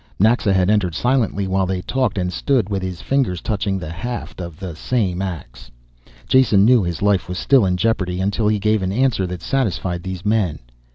Naxa had entered silently while they talked, and stood with his fingers touching the haft of this same ax. Jason knew his life was still in jeopardy, until he gave an answer that satisfied these men.